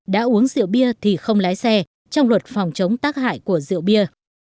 đã uống rượu bia thì không lái xe trong luật phòng chống tác hại của rượu bia